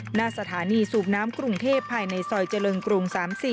หน้าสถานีสูบน้ำกรุงเทพภายในซอยเจริญกรุง๓๔